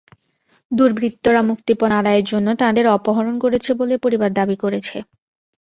দুর্বৃত্তরা মুক্তিপণ আদায়ের জন্য তাঁদের অপহরণ করেছে বলে পরিবার দাবি করেছে।